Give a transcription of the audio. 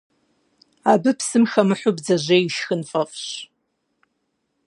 Абы псым хэмыхьэу бдзэжьей ишхын фӀэфӀщ.